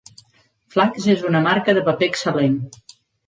Flax és una marca de paper excel·lent.